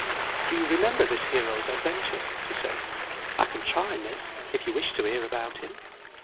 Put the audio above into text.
"Do you remember this hero's adventures?" she said. "I can try, Miss, if you wish to hear about him."